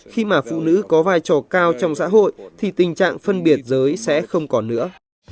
khi mà phụ nữ có vai trò cao trong xã hội thì tình trạng phân biệt giới sẽ không còn nữa